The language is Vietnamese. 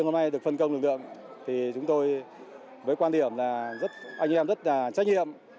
hôm nay được phân công lực lượng chúng tôi với quan điểm là anh em rất trách nhiệm